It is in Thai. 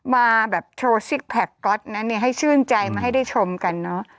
มาแบบโชว์ซิกแพคก๊อตนั้นเนี่ยให้ชื่นใจมาให้ได้ชมกันเนอะ